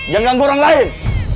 jangan ganggu orang lain